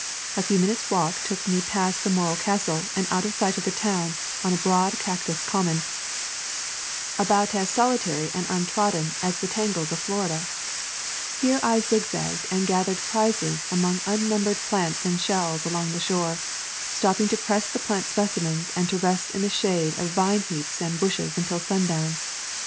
A few minutes' walk took me past the Morro Castle and out of sight of the town on a broad cactus common, about as solitary and untrodden as the tangles of [ 151 ] A Thousand Mile Walb Florida. Here I zigzagged and gathered prizes among unnumbered plants and shells along the shore, stopping to press the plant specimens and to rest in the shade of vine heaps and bushes until sundown.